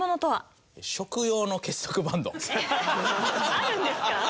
あるんですか？